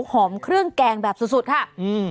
หอมเครื่องแกงแบบสุดสุดค่ะอืม